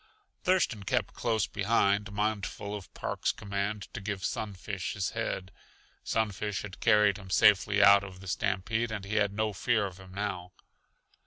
Thurston kept close behind, mindful of Park's command to give Sunfish his head. Sunfish had carried him safely out of the stampede and he had no fear of him now.